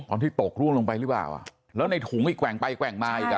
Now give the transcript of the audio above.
ตอนที่ตกร่วงลงไปหรือเปล่าอ่ะแล้วในถุงอีกแกว่งไปแกว่งมาอีกอ่ะ